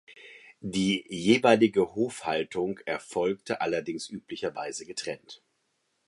Die jeweilige Hofhaltung erfolgte allerdings üblicherweise getrennt.